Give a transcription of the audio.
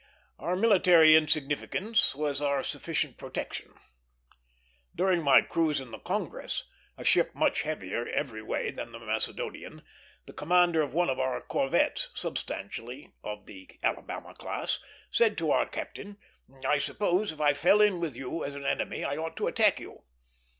Our military insignificance was our sufficient protection. During my cruise in the Congress, a ship much heavier every way than the Macedonian, the commander of one of our corvettes, substantially of the Alabama class, said to our captain, "I suppose, if I fell in with you as an enemy, I ought to attack you."